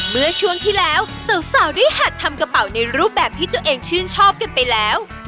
เมื่อช่วงที่แล้วสาวได้หัดทำกระเป๋าในรูปแบบที่ตัวเองชื่นชอบกันไปแล้ว